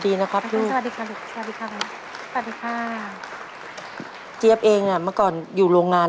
ที่ตำแหน่งของคุณตา